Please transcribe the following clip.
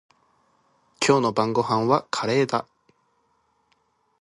今日の晩ごはんはカレーだ。